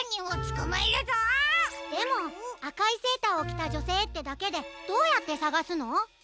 でもあかいセーターをきたじょせいってだけでどうやってさがすの？